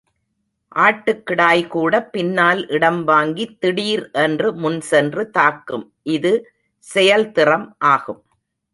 ஆட்டுக்கிடாய்கூடப் பின்னால் இடம்வாங்கித் திடீர் என்று முன்சென்று தாக்கும் இது செயல்திறம் ஆகும்.